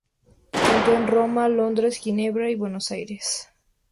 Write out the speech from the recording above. Cantó en Roma, Londres, Ginebra, Buenos Aires.